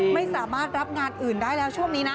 ไม่สามารถรับงานอื่นได้แล้วช่วงนี้นะ